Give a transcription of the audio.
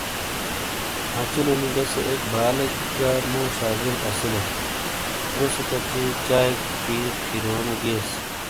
مچلو نی بیسے اک بالیک کا مو شاگرد اسیلو، زوسے کچی چائیک پی پھیریونو گیئیس۔